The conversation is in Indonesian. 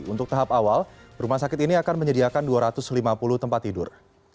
untuk tahap awal rumah sakit ini akan menyediakan dua ratus lima puluh tempat tidur